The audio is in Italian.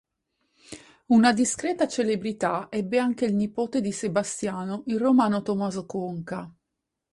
Una discreta celebrità ebbe anche il nipote di Sebastiano, il romano Tommaso Conca.